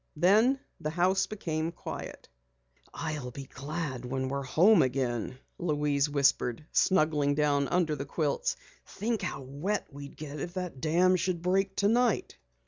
Then the house became quiet. "I'll be glad when we're home again," Louise whispered, snuggling down under the quilts. "Think how wet we'd get if that dam should break tonight!"